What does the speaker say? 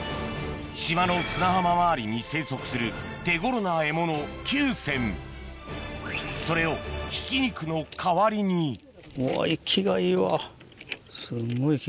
島の砂浜周りに生息する手頃な獲物それをひき肉の代わりにおぉ生きがいいわすんごい生きがいい。